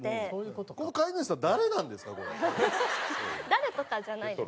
誰とかじゃないです。